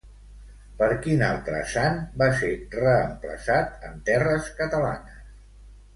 Per quin altre sant va ser reemplaçat en terres catalanes?